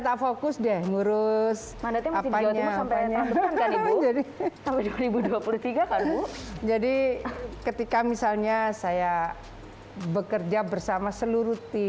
tak fokus deh ngurus apanya apanya jadi dua ribu dua puluh tiga jadi ketika misalnya saya bekerja bersama seluruh tim